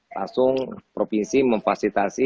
langsung provinsi memfasilitasi